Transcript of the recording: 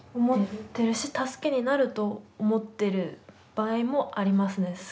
思ってるし助けになると思ってる場合もありますね。